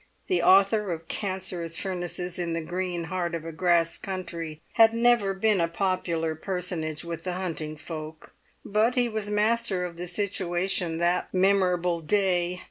The author of cancerous furnaces in the green heart of a grass country had never been a popular personage with the hunting folk; but he was master of the situation that memorable day.